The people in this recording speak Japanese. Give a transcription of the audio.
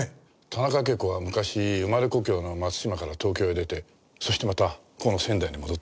田中啓子は昔生まれ故郷の松島から東京へ出てそしてまたこの仙台に戻ってきた。